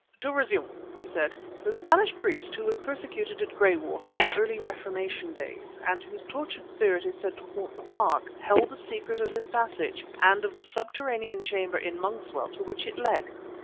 "To resume," he said; "the Spanish priest who was persecuted at Graywater in early Reformation days and whose tortured spirit is said to haunt the Park, held the secret of this passage, and of the subterranean chamber in Monkswell, to which it led.